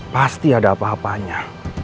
pasti ada apa apanya